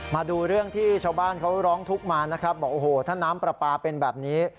มาดูเรื่องที่ชาวบ้านเขาร้องทุกข์มานะครับบอกโอ้โหถ้าน้ำปลาปลาเป็นแบบนี้